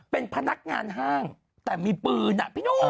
เป็นพนักงานห้างแต่มีปืนอ่ะพี่หนุ่ม